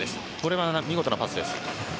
これは見事なパスでした。